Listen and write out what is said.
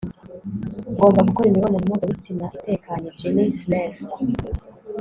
ngomba gukora imibonano mpuzabitsina itekanye - jenny slate